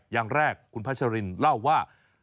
อย่างแรกคุณพัชรินเล่าว่า